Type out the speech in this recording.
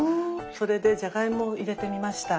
それでじゃがいもを入れてみました。